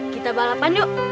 kita balapan yuk